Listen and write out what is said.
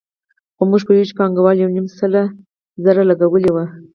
خو موږ پوهېږو چې پانګوال یو نیم سل زره لګولي وو